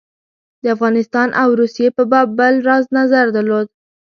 د افغانستان او روسیې په باب بل راز نظر درلود.